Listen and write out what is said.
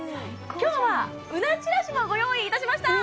今日はうなちらしもご用意いたしました！